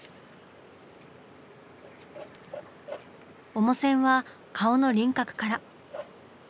主線は顔の輪郭から。